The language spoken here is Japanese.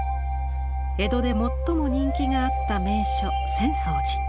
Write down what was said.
江戸で最も人気があった名所浅草寺。